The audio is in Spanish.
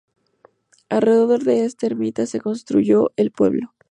Alrededor de esa ermita se construyó el pueblo.